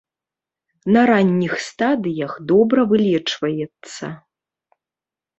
На ранніх стадыях добра вылечваецца.